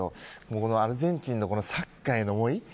アルゼンチンのサッカーへの思い